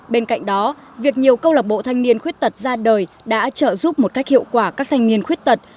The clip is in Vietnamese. bên cạnh đó việc nhiều câu lạc bộ thanh niên khuyết tật ra đời đã trợ giúp một cách hiệu quả các thanh niên khuyết tật